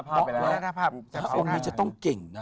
อันนี้จะต้องเก่งนะ